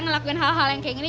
ngelakuin hal hal yang kayak gini